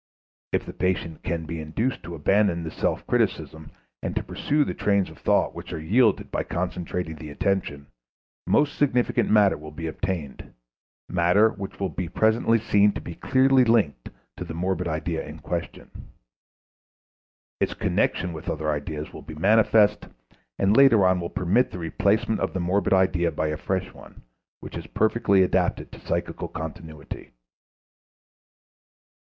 If the patient can be induced to abandon this self criticism and to pursue the trains of thought which are yielded by concentrating the attention, most significant matter will be obtained, matter which will be presently seen to be clearly linked to the morbid idea in question. Its connection with other ideas will be manifest, and later on will permit the replacement of the morbid idea by a fresh one, which is perfectly adapted to psychical continuity.